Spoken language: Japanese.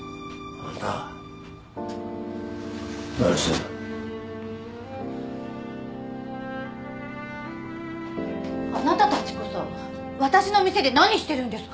あなたたちこそ私の店で何してるんですか？